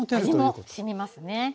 味もしみますね。